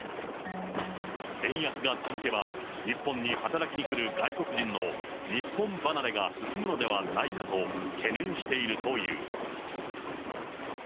円安が続けば、日本に働きに来る外国人の日本離れが進むのではないかと、懸念しているという。